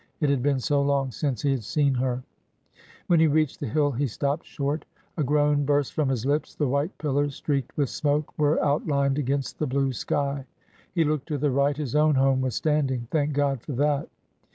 It had been so long since he had seen her 1 When he reached the hill he stopped short. A groan burst from his lips. The white pillars, streaked with smoke, were outlined against the blue sky. He looked to the right. His own home was standing. Thank God for that